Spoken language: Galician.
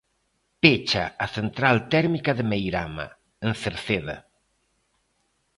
Pecha a central térmica de Meirama, en Cerceda.